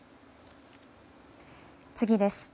次です。